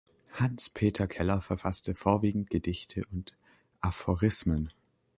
Hans Peter Keller verfasste vorwiegend Gedichte und Aphorismen.